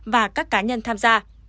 và các cá nhân tham gia